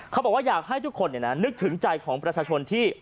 เขาบอกว่าอยากให้ทุกคนนึกถึงใจของประชาชนที่